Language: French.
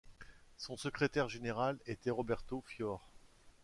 Son secrétaire général était Roberto Fiore.